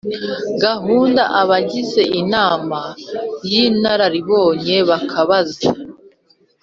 gahunda abagize Inama y Inararibonye bakabanza